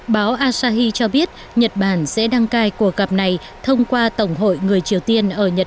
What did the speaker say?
báo asahi cho biết nhật bản sẽ đăng cai cuộc gặp này thông qua tổng hội người triều tiên ở nhật